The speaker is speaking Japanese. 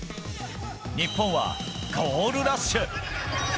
日本はゴールラッシュ！